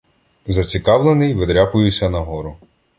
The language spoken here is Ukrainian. Зацікавлений, видряпуюся нагору.